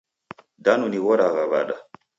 Danu nighoragha wada?